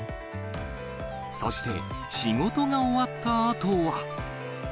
そして、仕事が終わったあとは。